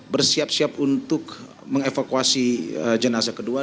bersiap siap untuk mengevakuasi jenazah kedua